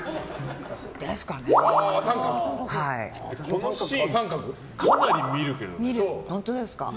このシーンかなり見るけど。